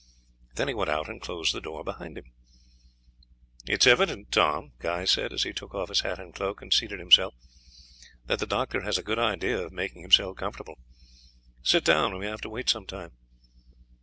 Then he went out and closed the door behind him. "It is evident, Tom," Guy said, as he took off his hat and cloak, and seated himself, "that the doctor has a good idea of making himself comfortable. Sit down, we may have to wait some time."